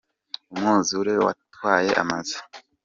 umwuzure watwaye amazu